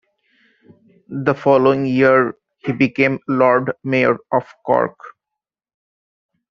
The following year he became Lord Mayor of Cork.